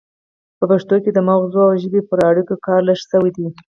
په پښتو کې د مغزو او ژبې پر اړیکو کار لږ شوی دی